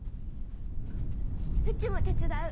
うちも手伝う。